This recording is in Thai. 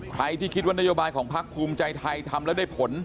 ใครที่คิดว่านโยบายของพักภูมิใจไทยทำแล้วได้ผล